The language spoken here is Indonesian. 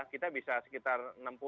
kita bisa sekitar enam puluh tujuh puluh